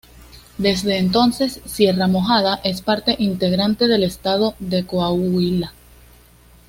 Desde entonces Sierra Mojada es parte integrante del estado de Coahuila.